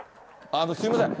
あの、すみません。